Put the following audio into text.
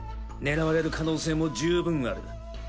狙われる可能性も十分ある。